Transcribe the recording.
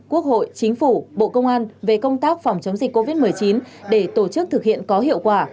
quốc hội chính phủ bộ công an về công tác phòng chống dịch covid một mươi chín để tổ chức thực hiện có hiệu quả